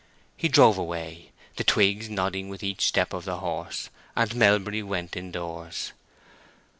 He drove away, the twigs nodding with each step of the horse; and Melbury went in doors.